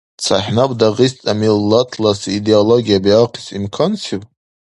ЦахӀнаб Дагъиста миллатласи идеология биахъес имкансив?